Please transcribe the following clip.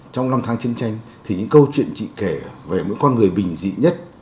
trong năm tháng chiến tranh thì những câu chuyện chị kể về những con người bình dị nhất